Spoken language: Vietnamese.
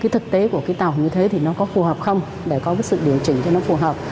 thực tế của tàu như thế có phù hợp không để có sự điều chỉnh cho nó phù hợp